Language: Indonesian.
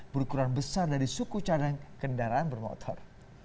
berukuran besar dari suku cadang kendaraan bermotor